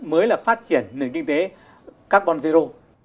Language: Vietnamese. mới là phát triển nền kinh tế carbon zero